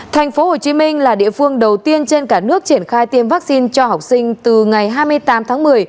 tp hcm là địa phương đầu tiên trên cả nước triển khai tiêm vaccine cho học sinh từ ngày hai mươi tám tháng một mươi